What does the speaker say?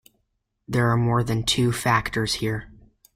There are more than two factors here.